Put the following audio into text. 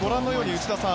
内田さん